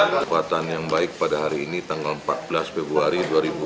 kelembatan yang baik pada hari ini tanggal empat belas februari dua ribu tujuh belas